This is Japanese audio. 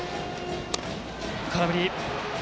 空振り。